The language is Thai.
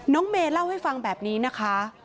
น้องเมเล่าให้ฟังแบบนี้นะคะ